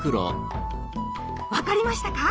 分かりましたか？